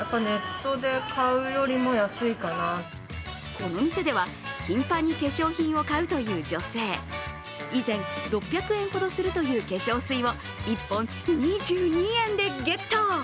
この店では、頻繁に化粧品を買うという女性以前、６００円ほどするという化粧水を１本２２円てゲット。